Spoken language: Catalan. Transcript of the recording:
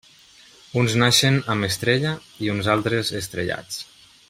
Uns naixen amb estrella i uns altres, estrellats.